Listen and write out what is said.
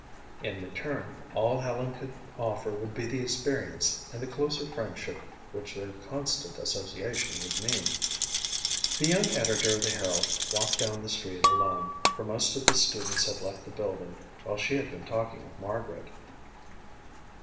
In return, all Helen could offer would be the experience and the closer friendship which their constant association would mean. The young editor of the Herald walked down the street alone, for most of the students had left the building while she had been talking with Margaret.